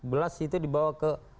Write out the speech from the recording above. belas itu dibawa ke